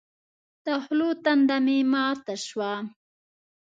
د خولو تنده مې ماته شوه.